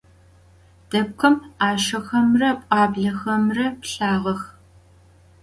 Depkhım 'aşşexemre p'uablexemre pılhağex.